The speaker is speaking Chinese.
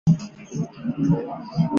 为什么都不回家？